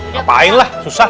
ngapain lah susah